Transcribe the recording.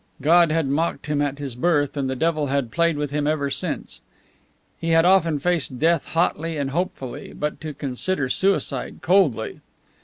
God had mocked him at his birth, and the devil had played with him ever since. He had often faced death hotly and hopefully, but to consider suicide coldly!